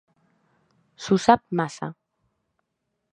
S'ho sap massa.